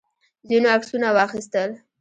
ځینو عکسونه واخیستل.